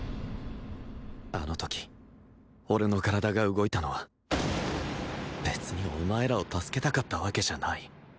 あの時俺の体が動いたのは別にお前らを助けたかったわけじゃない